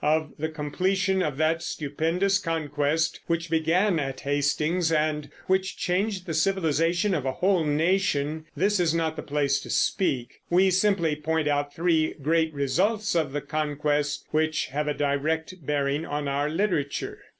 Of the completion of that stupendous Conquest which began at Hastings, and which changed the civilization of a whole nation, this is not the place to speak. We simply point out three great results of the Conquest which have a direct bearing on our literature.